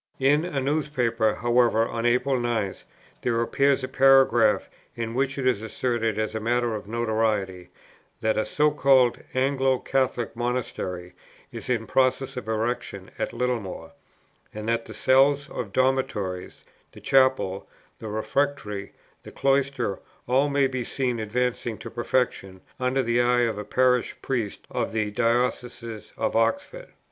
"In" [a newspaper] "however, of April 9, there appears a paragraph in which it is asserted, as a matter of notoriety, that a 'so called Anglo Catholic Monastery is in process of erection at Littlemore, and that the cells of dormitories, the chapel, the refectory, the cloisters all may be seen advancing to perfection, under the eye of a Parish Priest of the Diocese of Oxford.'